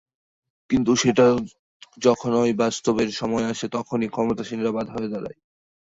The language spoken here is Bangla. কিন্তু সেটা যখনই বাস্তবায়নের সময় আসে, তখনই ক্ষমতাসীনেরা বাধা হয়ে দাঁড়ায়।